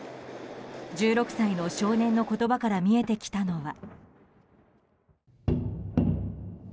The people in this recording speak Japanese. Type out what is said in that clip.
１６歳の少年の言葉から見えてきたのは。